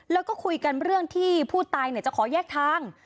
แล้วก็คุยกันเรื่องที่ผู้ตายจะขอแยกทาง